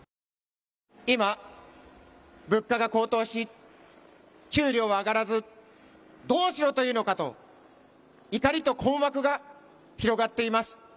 今、物価が高騰し、給料は上がらず、どうしろというのかと、怒りと困惑が広がっています。